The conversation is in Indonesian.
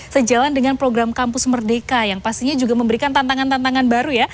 sejalan dengan program kampus merdeka yang pastinya juga memberikan tantangan tantangan baru ya